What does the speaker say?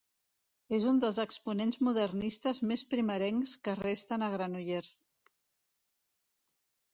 És un dels exponents modernistes més primerencs que resten a Granollers.